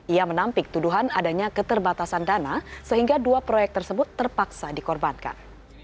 ia menampik tuduhan adanya keterbatasan dana sehingga dua proyek tersebut terpaksa dikorbankan